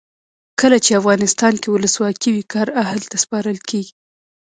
کله چې افغانستان کې ولسواکي وي کار اهل ته سپارل کیږي.